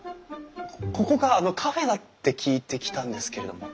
ここがカフェだって聞いて来たんですけれども。